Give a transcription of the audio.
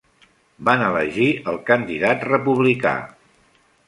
Van elegir el candidat republicà.